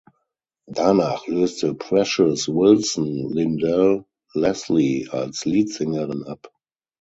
Danach löste Precious Wilson Lindell Leslie als Leadsängerin ab.